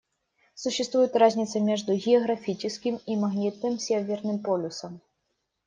Существует разница между географическим и магнитным Северным полюсом.